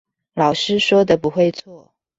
老師說的不會錯